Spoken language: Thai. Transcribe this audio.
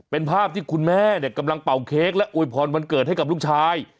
เป็นภาพที่คุณแม่เนี่ยกำลังเป่าเค้กและอวยพรวันเกิดให้กับลูกชาย